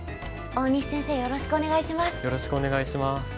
大西先生よろしくお願いします。